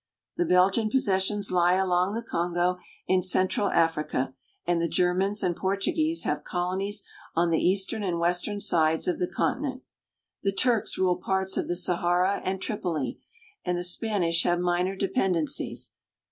The Belgian possessions lie along the Kongo in central Africa, and the Germans and Portuguese have colonies on the eastern and western sides of the continent. The Turks rule parts of the Sahara and Tripoli (trip'o ll), and the Spanish have minor dependencies.